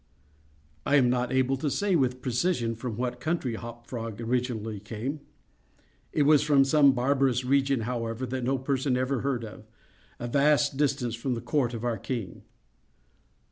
I am not able to say, with precision, from what country Hop Frog originally came. It was from some barbarous region, however, that no person ever heard of—a vast distance from the court of our king.